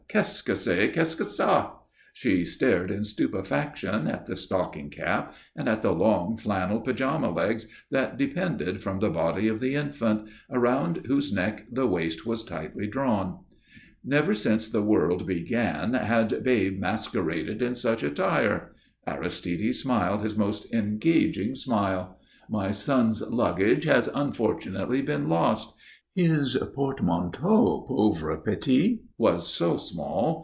Qu'est ce que c'est que ça?_" She stared in stupefaction at the stocking cap and at the long flannel pyjama legs that depended from the body of the infant, around whose neck the waist was tightly drawn. Never since the world began had babe masqueraded in such attire. Aristide smiled his most engaging smile. "My son's luggage has unfortunately been lost. His portmanteau, pauvre petit, was so small.